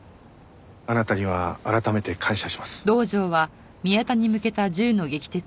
あなたには改めて感謝します。